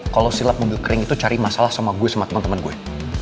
kalo silap mungil kering itu cari masalah sama gue sama temen temen gue